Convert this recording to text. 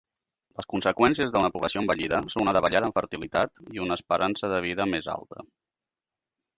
Les conseqüències d'una població envellida són una davallada en fertilitat i una esperança de vida més alta.